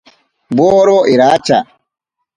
Woro iracha.